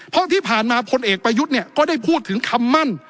เพราะที่ผ่านมาพลเอกประยุทธ์เนี่ยก็ได้พูดถึงคำมั่น